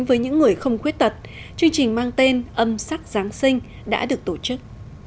với những người không khuyết tật chương trình mang tên âm sắc giáng sinh đã được tổ chức